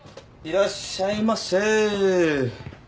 いらっしゃいませ。